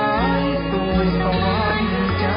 ทรงเป็นน้ำของเรา